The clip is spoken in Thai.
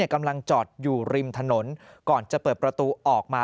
กำลังจอดอยู่ริมถนนก่อนจะเปิดประตูออกมา